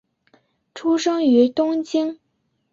出生于东京。